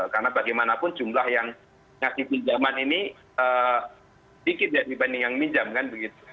karena bagaimanapun jumlah yang ngasih pinjaman ini dikit ya dibanding yang minjam kan begitu